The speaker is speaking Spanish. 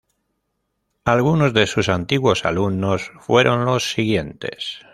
Algunos de sus antiguos alumnos fueron los siguientes.